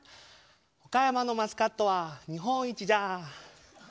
岡山のマスカットは日本一じゃ。